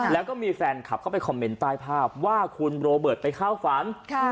แล้วก็มีแฟนคลับเข้าไปคอมเมนต์ใต้ภาพว่าคุณโรเบิร์ตไปเข้าฝัน